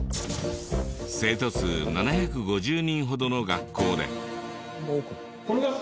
生徒数７５０人ほどの学校で。